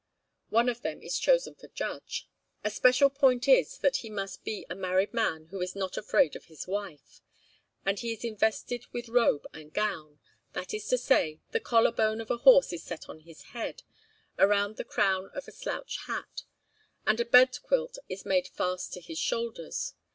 One of them is chosen for judge; a special point is that he must be a married man who is not afraid of his wife; and he is invested with robe and gown, that is to say, the collar bone of a horse is set on his head, around the crown of a slouch hat, and a bed quilt is made fast to his shoulders.